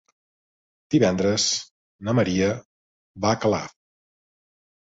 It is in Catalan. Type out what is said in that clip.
Divendres na Maria va a Calaf.